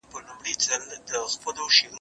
زه اوس د سبا لپاره د ژبي تمرين کوم!